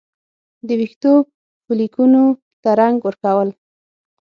د ویښتو فولیکونو ته رنګ ورکول